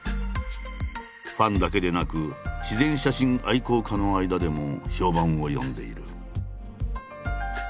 ファンだけでなく自然写真愛好家の間でも評判を呼んでいる。